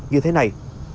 như thế này